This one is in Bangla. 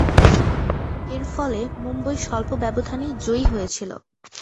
এরফলে মুম্বই স্বল্প ব্যবধানে জয়ী হয়েছিল।